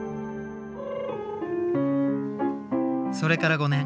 それから５年。